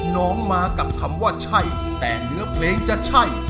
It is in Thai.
น้องมากับคำว่าใช่แต่เนื้อเพลงจะใช่